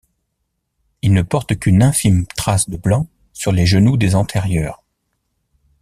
Il ne porte qu'une infime trace de blanc sur les genoux des antérieurs.